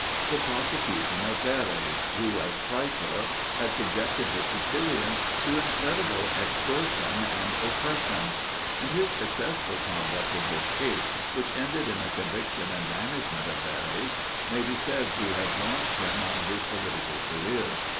the Prosecution of Verres, who as Praetor had subjected the Sicilians to incredible extortion and oppression; and his successful conduct of this case, which ended in the conviction and banishment of Verres, may be said to have launched him on his political career.